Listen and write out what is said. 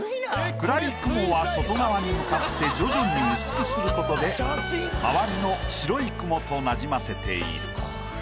暗い雲は外側に向かって徐々に薄くする事で周りの白い雲となじませている。